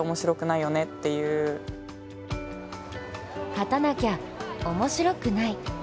勝たなきゃ面白くない。